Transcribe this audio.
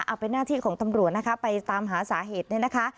เอาเป็นหน้าที่ของตำรวจนะคะไปตามหาสาเหตุเนี่ยนะคะ